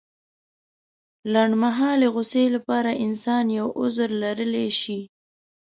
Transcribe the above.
لنډمهالې غوسې لپاره انسان يو عذر لرلی شي.